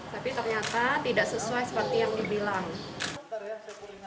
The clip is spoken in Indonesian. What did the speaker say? tapi ternyata tidak sesuai seperti yang dibilang